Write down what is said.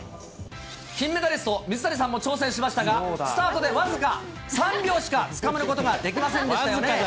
金メダリスト、水谷さんも挑戦しましたが、スタートで僅か３秒しかつかめることができませんでしたよね。